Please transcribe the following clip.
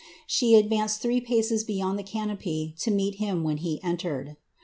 She advanced three jeyond the canopy to meet him when he entered.